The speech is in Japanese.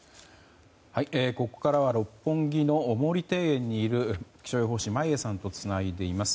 ここからは六本木の毛利庭園にいる眞家さんとつないでいます。